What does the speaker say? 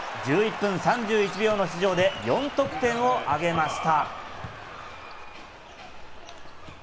１１分３１秒の出場で４得点を挙げました。